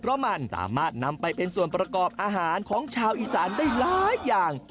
เพราะมันสามารถนำไปเป็นส่วนประกอบอาหารของชาวอีสานได้หลายอย่าง